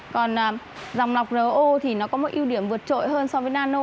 còn dòng lọc ro thì nó có một ưu điểm vượt trội hơn so với nano